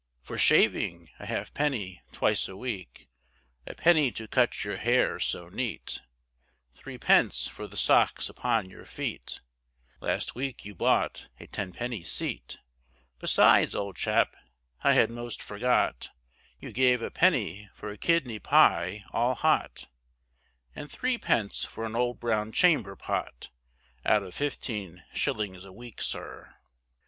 For shaving, a halfpenny twice a week, A penny to cut your hair so neat, Threepence for the socks upon your feet, Last week you bought a tenpenny seat Besides, old chap, I had most forgot, You gave a penny for a kidney pie, all hot, And threepence for an old brown chamberpot. Out of fifteen shillings a week, sir.